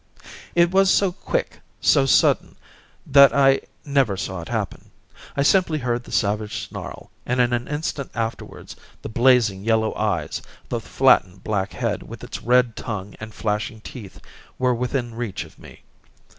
It was so quick, so sudden, that I never saw it happen. I simply heard the savage snarl, and in an instant afterwards the blazing yellow eyes, the flattened black head with its red tongue and flashing teeth, were within reach of me.